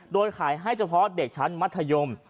โดยขายให้เฉพาะเด็กชั้นมัธยม